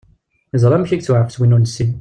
Yeẓra amek yettwaɛfes win ur nessin.